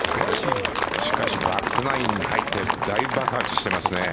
しかしバックナインに入って大爆発していますね。